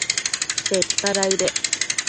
Seta daëdec